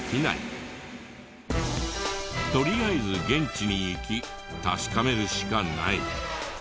とりあえず現地に行き確かめるしかない。